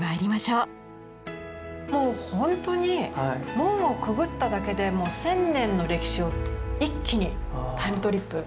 もう本当に門をくぐっただけで１，０００年の歴史を一気にタイムトリップ。